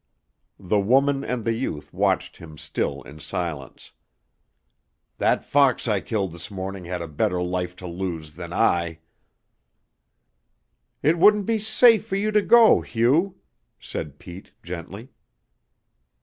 The woman and the youth watched him still in silence. "That fox I killed this morning had a better life to lose than I." "It wouldn't be safe for you to go, Hugh," said Pete gently.